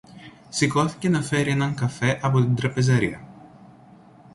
Σηκώθηκε να φέρει έναν καφέ από την τραπεζαρία